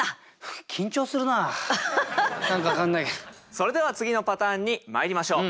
それでは次のパターンにまいりましょう。